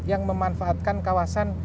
yang memanfaatkan kawasan